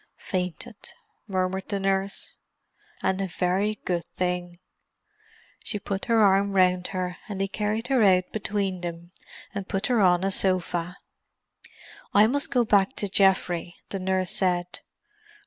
"Fainted," murmured the nurse. "And a very good thing." She put her arm round her, and they carried her out between them, and put her on a sofa. "I must go back to Geoffrey," the nurse said.